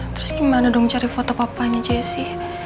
terus gimana dong cari foto papanya jessi